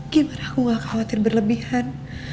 gimana aku gak khawatir berlebihan